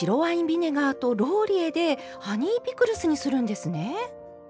ビネガーとローリエでハニーピクルスにするんですね。